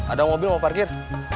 ada mobil parkir